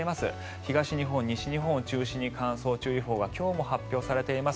東日本、西日本を中心に乾燥注意報が今日も発表されています。